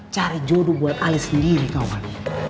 cari jodoh buat ali sendiri kawan